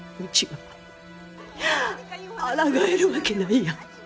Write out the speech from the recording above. はぁあらがえるわけないやん。